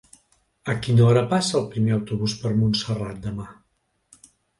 A quina hora passa el primer autobús per Montserrat demà?